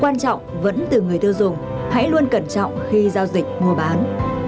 quan trọng vẫn từ người tiêu dùng hãy luôn cẩn trọng khi giao dịch mua bán